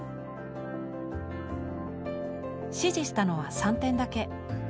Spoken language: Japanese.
指示したのは３点だけ。